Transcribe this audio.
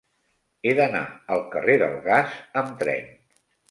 He d'anar al carrer del Gas amb tren.